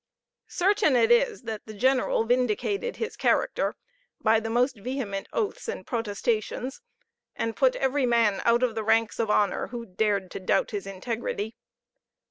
Certain it is that the general vindicated his character by the most vehement oaths and protestations, and put every man out of the ranks of honor who dared to doubt his integrity.